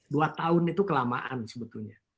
dua tahun itu kelamaan sebetulnya